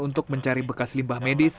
untuk mencari bekas limbah medis